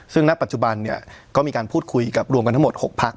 ซึ่งณปัจจุบันเนี่ยก็มีการพูดคุยกับรวมกันทั้งหมด๖พัก